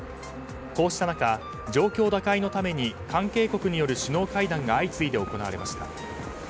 こうした中、状況打開のために関係国による首脳会談が相次いで行われました。